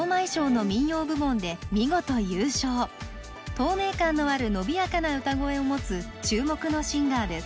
透明感のある伸びやかな歌声を持つ注目のシンガーです。